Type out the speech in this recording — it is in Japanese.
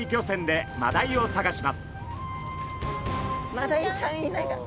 マダイちゃんいないかな？